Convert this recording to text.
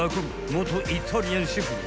元イタリアンシェフの］